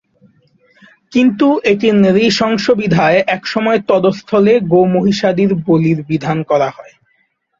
কিন্তু এটি নৃশংস বিধায় এক সময় তদস্থলে গো-মহিষাদি বলির বিধান করা হয়।